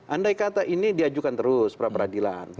andai kata ini diajukan terus prapradilan